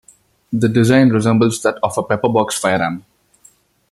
The design resembles that of a pepper-box firearm.